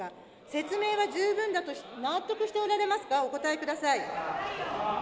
説明は十分だと、納得しておられますか、お答えください。